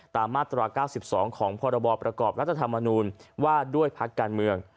ตามมาตราเก้าสิบสองของพรบรประกอบรัฐธรรมนูลว่าด้วยพักการเมือง